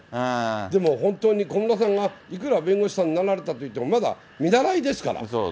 でも本当に小室さんがいくら弁護士さんになられたといっても、まだ見習いですから。